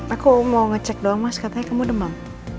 aku mau ngecek dong mas katanya kamu demam